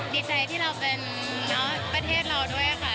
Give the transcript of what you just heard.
ดีใจที่เราก็เนอะประเทศเราด้วยอ่ะค่ะ